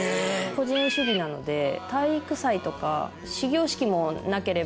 個人主義なので体育祭とか始業式もなければ。